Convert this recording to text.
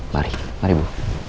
mari mari bu